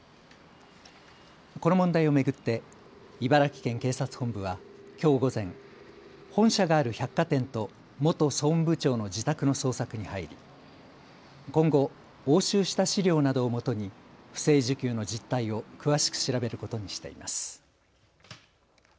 この問題を巡って茨城県警察本部はきょう午前、本社がある百貨店と元総務部長の自宅の捜索に入り今後、押収した資料などをもとに不正受給の実態を詳しく調べることにしています。